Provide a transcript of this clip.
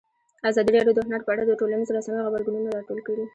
ازادي راډیو د هنر په اړه د ټولنیزو رسنیو غبرګونونه راټول کړي.